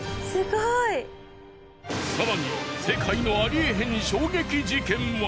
更に世界のありえへん衝撃事件は。